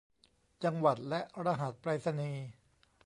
จังหวัดและรหัสไปรษณีย์